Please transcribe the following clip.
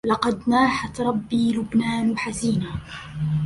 لقد ناحت ربى لبنان حزنا